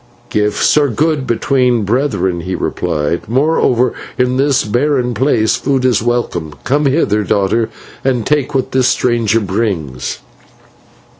"'Gifts are good between brethren,' he replied; 'moreover, in this barren place food is welcome. Come hither, daughter, and take what this stranger brings.'